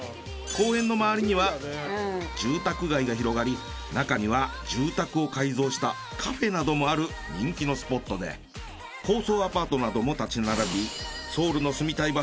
公園の周りには住宅街が広がり中には住宅を改造したカフェなどもある人気のスポットで高層アパートなども立ち並び。